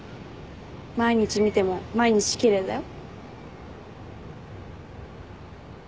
毎日見ても毎日奇麗だよ。